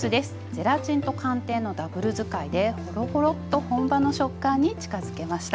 ゼラチンと寒天のダブル使いでホロホロッと本場の食感に近づけました。